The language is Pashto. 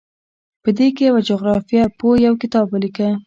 په کې یوه جغرافیه پوه یو کتاب ولیکه.